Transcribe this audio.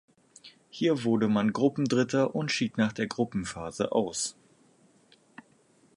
Hier wurde man Gruppendritter und schied nach der Gruppenphase aus.